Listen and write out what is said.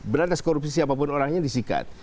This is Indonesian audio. berantas korupsi siapapun orangnya disikat